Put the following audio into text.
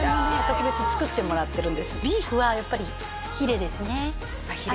特別に作ってもらってるんですビーフはやっぱりヒレですね